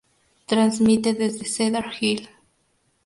Transmite desde Cedar Hill.